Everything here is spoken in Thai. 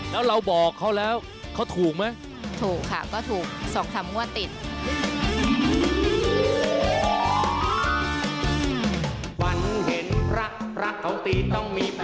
แล้วเราบอกเขาแล้วเขาถูกไหมถูกค่ะ